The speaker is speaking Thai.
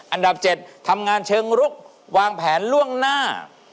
อันดับ๗ทำงานเชิงรุกวางแผนล่วงหน้า